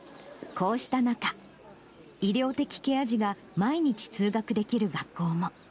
こうした中、医療的ケア児が毎日通学できる学校も。